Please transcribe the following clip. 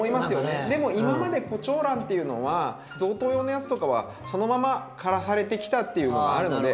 でも今までコチョウランっていうのは贈答用のやつとかはそのまま枯らされてきたっていうのがあるので。